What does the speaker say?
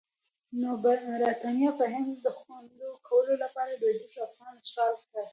نو برټانیه به د هند د خوندي کولو لپاره لویدیځ افغانستان اشغال کړي.